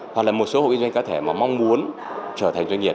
hoặc là một số hộ kinh doanh cá thể mà mong muốn trở thành doanh nghiệp